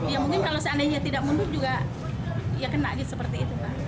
ya mungkin kalau seandainya tidak mundur juga ya kena seperti itu pak